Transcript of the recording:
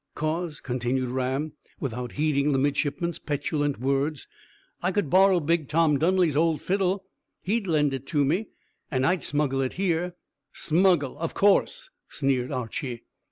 "'Cause," continued Ram, without heeding the midshipman's petulant words, "I could borrow big Tom Dunley's old fiddle. He'd lend it to me, and I'd smuggle it here." "Smuggle, of course," sneered Archy.